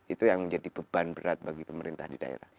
itu yang menjadi beban berat bagi pemerintah di daerah